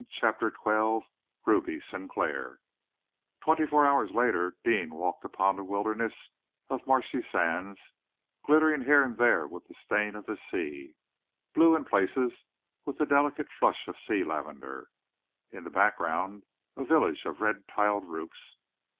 CHAPTER XII RUBY SINCLAIR Twenty four hours later, Deane walked upon a wilderness of marshy sands, glittering here and there with the stain of the sea, blue in places with the delicate flush of sea lavender. In the background, a village of red tiled roofs.